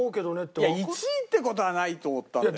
いや１位って事はないと思ったんだよ。